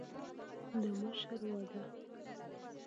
د مشر وعده